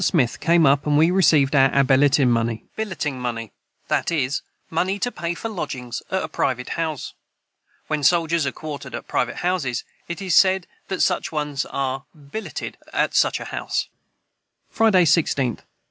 Smith came up and we received our Abilitan money. [Footnote 12: Billeting money that is, money to pay for lodgings at private houses. When soldiers are quartered at private houses, it is said that such ones are billeted at such a house, &c.] Friday 16th.